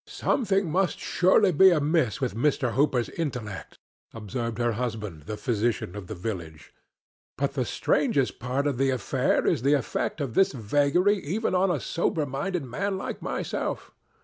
"Something must surely be amiss with Mr. Hooper's intellects," observed her husband, the physician of the village. "But the strangest part of the affair is the effect of this vagary even on a sober minded man like myself.